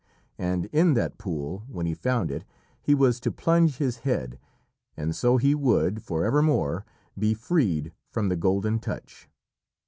And in that pool, when he found it, he was to plunge his head, and so he would, for evermore, be freed from the Golden Touch.